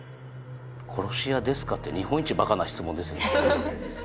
「殺し屋ですか？」って日本一バカな質問ですよ。